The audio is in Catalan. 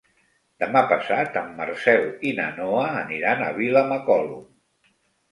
Demà passat en Marcel i na Noa aniran a Vilamacolum.